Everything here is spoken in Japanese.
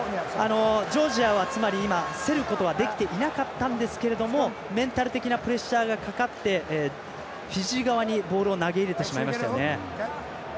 ジョージアは、つまり競ることはできていなかったんですけれどもメンタル的なプレッシャーがかかってフィジー側にボールを投げ入れてしまいましたね。